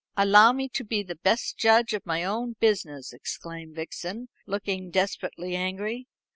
"Allow me to be the best judge of my own business," exclaimed Vixen, looking desperately angry.